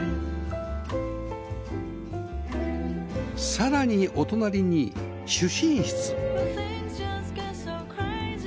さらにお隣に主寝室